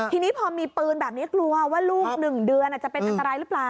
ทีนี้พอมีปืนแบบนี้กลัวว่าลูก๑เดือนอาจจะเป็นอันตรายหรือเปล่า